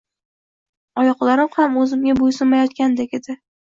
Oyoqlarim ham o`zimga bo`ysunmayotgandek edi